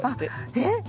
えっ！